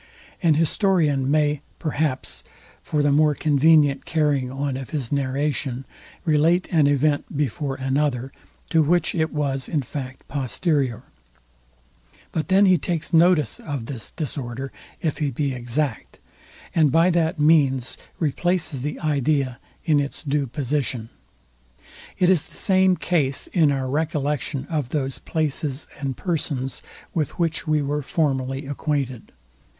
An historian may, perhaps, for the more convenient Carrying on of his narration, relate an event before another, to which it was in fact posterior; but then he takes notice of this disorder, if he be exact; and by that means replaces the idea in its due position. It is the same case in our recollection of those places and persons, with which we were formerly acquainted.